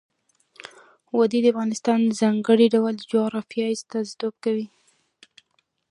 وادي د افغانستان د ځانګړي ډول جغرافیه استازیتوب کوي.